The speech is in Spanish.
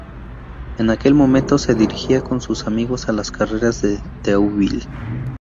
En aquel momento se dirigía con sus amigos a las carreras de Deauville.